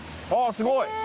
あぁすごい。